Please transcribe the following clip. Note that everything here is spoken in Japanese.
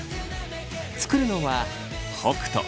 作るのは北斗。